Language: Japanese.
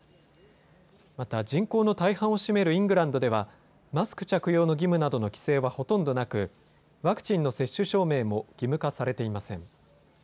また人口の大半を占めるイングランドではマスク着用の義務などの規制はほとんどなくワクチンの接種証明も義務化されていません。